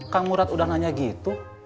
kang murad udah nanya gitu